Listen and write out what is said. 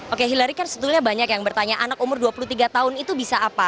oke hillary kan sebetulnya banyak yang bertanya anak umur dua puluh tiga tahun itu bisa apa